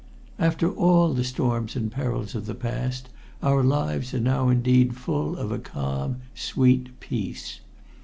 After all the storms and perils of the past, our lives are now indeed full of a calm, sweet peace.